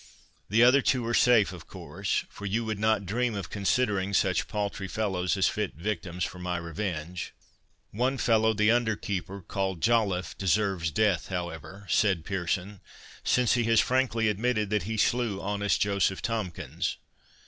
The other two are safe, of course; for you would not dream of considering such paltry fellows as fit victims for my revenge." "One fellow, the under keeper, called Joliffe, deserves death, however," said Pearson, "since he has frankly admitted that he slew honest Joseph Tomkins."